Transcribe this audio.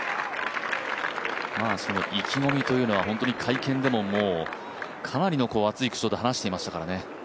意気込みというのは本当に会見でもかなりの熱い口調で話していましたからね。